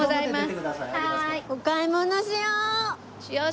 お買い物しよう！